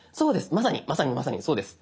まさにまさにまさにそうです。